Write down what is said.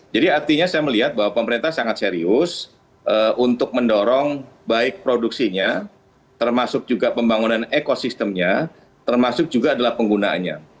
jadi artinya saya melihat bahwa pemerintah sangat serius untuk mendorong baik produksinya termasuk juga pembangunan ekosistemnya termasuk juga adalah penggunaannya